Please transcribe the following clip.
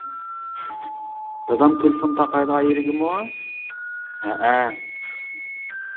— دادام تېلېفون تاقايدىغان يېرىگىمۇ؟ — ھەئە.